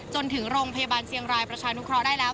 จนถึงโรงพยาบาลเชียงรายประชานุเคราะห์ได้แล้ว